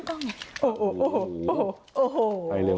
โอ้โหโอ้โห